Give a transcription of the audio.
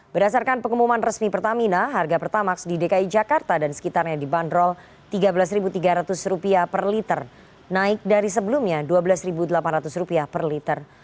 berdasarkan pengumuman resmi pertamina harga pertamax di dki jakarta dan sekitarnya dibanderol rp tiga belas tiga ratus per liter naik dari sebelumnya rp dua belas delapan ratus per liter